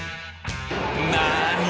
なに！？